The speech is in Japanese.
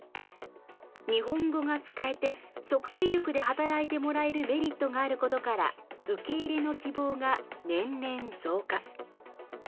日本語が使えて即戦力で働いてもらえるメリットがあることから受け入れの希望が年々増加。